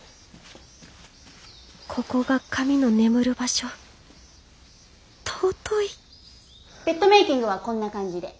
ここが神の眠る場所尊いベッドメーキングはこんな感じで。